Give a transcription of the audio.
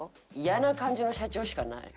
嫌な感じの社長しかない。